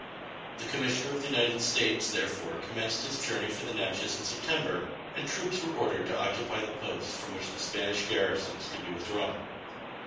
The commissioner of the United States therefore commenced his journey for the Natchez in September, and troops were ordered to occupy the posts from which the Spanish garrisons should be withdrawn.